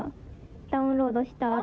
ダウンロードしたあと。